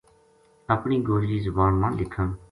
اپنی گوجری زبان ما لکھن